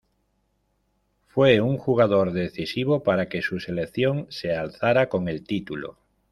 Fue un jugador decisivo para que su selección se alzara con el título.